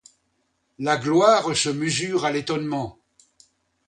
La gloire se mesure à l’étonnement.